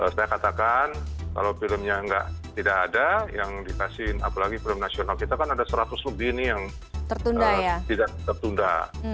saya katakan kalau filmnya tidak ada yang dikasih apalagi film nasional kita kan ada seratus lebih ini yang tidak tertunda